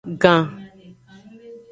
Gan.